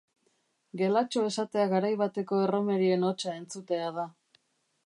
Gelatxo esatea garai bateko erromerien hotsa entzutea da.